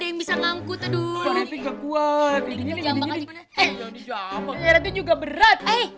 ngeratin juga berat